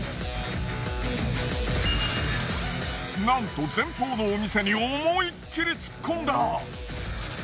なんと前方のお店に思いっきり突っ込んだ。